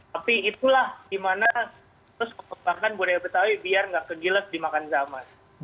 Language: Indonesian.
tapi itulah dimana terus memperbaikan budaya betawi biar nggak kegiles di makan zaman